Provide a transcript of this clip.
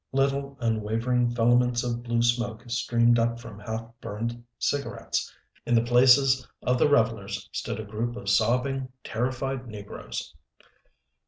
Little, unwavering filaments of blue smoke streamed up from half burned cigarettes. In the places of the revelers stood a group of sobbing, terrified negroes.